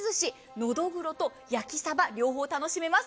ノドグロと焼きサバ両方楽しめます。